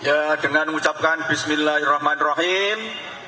ya dengan mengucapkan bismillahirrahmanirrahim